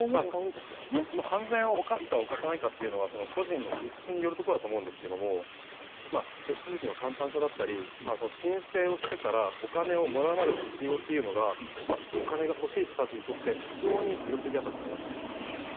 犯罪を犯すか犯さないかというのは個人の資質によるところだと思いますが手続きの簡単さだったり申請をしてからお金をもらうまでのスピードというのがお金が欲しい人たちにとって非常に魅力的だったと思います。